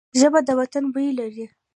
ژبه د وطن بوی لري